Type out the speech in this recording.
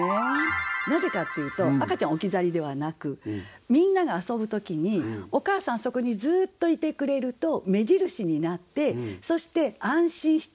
なぜかって言うと赤ちゃん置き去りではなくみんなが遊ぶ時にお母さんあそこにずっといてくれると目印になってそして安心して遊べる。